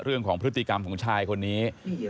เรื่องของพฤติกรรมของชายคนนี้